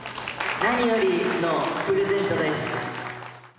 何よりのプレゼントです。